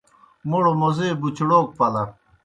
موڑ موزے بُچڑَوک پلہ۔